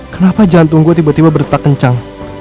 kenapa jantung gua tiba tiba berdetak kencang